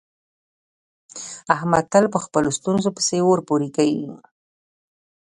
احمد تل په خپلو ستونزو پسې اور پورې کوي.